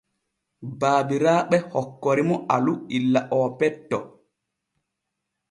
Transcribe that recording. Baabiraaɓe hokkori mo Alu illa oo petto.